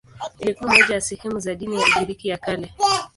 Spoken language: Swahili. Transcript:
Ilikuwa moja ya sehemu za dini ya Ugiriki ya Kale.